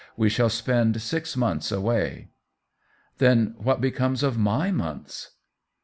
We shall spend six months away." " Then what becomes of my months